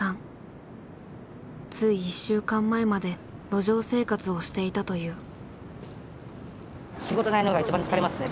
つい１週間前まで路上生活をしていたという。